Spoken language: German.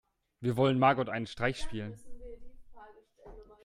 Wir wollen Margot einen Streich spielen.